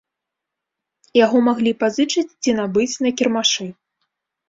Яго маглі пазычыць ці набыць на кірмашы.